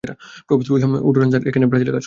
Professor Wilhelm Otto Rensler এখানে ব্রাজিলে কাজ করছে।